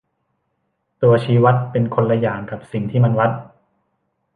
ตัวชี้วัดเป็นคนละอย่างกับสิ่งที่มันวัด